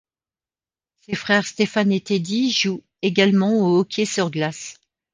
Ses frères Stéphane et Teddy jouent également au hockey sur glace.